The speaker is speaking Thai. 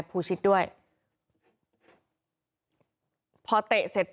พุ่งเข้ามาแล้วกับแม่แค่สองคน